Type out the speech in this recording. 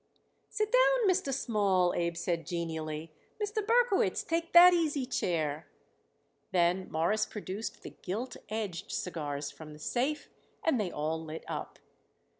"Sit down, Mr. Small," Abe said genially. "Mr. Berkowitz, take that easy chair." Then Morris produced the "gilt edged" cigars from the safe, and they all lit up.